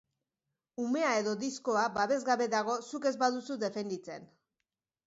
Umea edo diskoa babesgabe dago zuk ez baduzu defenditzen.